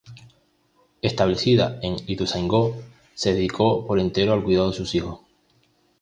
Establecida en Ituzaingó se dedicó por entero al cuidado de sus hijos.